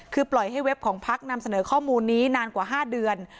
คือปล่อยให้เว็บของพักนำเสนอข้อมูลนี้นานกว่า๕เดือน